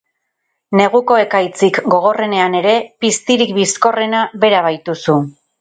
Neguko ekaitzik gogorrenean ere, piztirik bizkorrena bera baituzu.